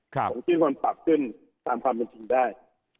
ผมจึงควรปรับขึ้นตามความเป็นจริงได้